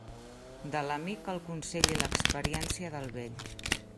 De l'amic el consell i l'experiència del vell.